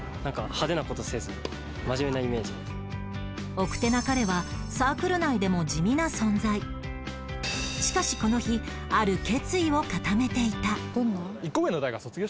奥手な彼はサークル内でもしかしこの日ある決意を固めていた